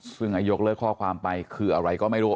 ซึ่งยกเลิกข้อความไปคืออะไรก็ไม่รู้